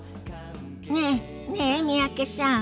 ねえねえ三宅さん。